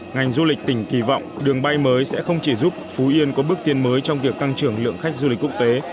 ngành du lịch tỉnh kỳ vọng đường bay mới sẽ không chỉ giúp phú yên có bước tiến mới trong việc tăng trưởng lượng khách du lịch quốc tế